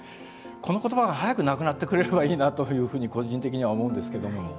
この言葉が早くなくなってくれればいいなというふうに個人的には思うんですけども。